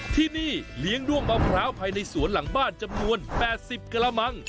ที่นี่เลี้ยงด้วงมะพร้าวภายในสวนหลังบ้านจำนวน๘๐กระมัง